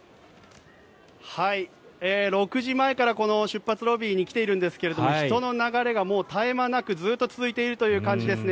６時前からこの出発ロビーに来ているんですが人の流れがもう絶え間なくずっと続いている感じですね。